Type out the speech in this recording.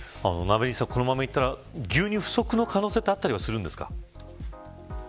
このままいったら牛乳の不足の可能性もあったりするんですか。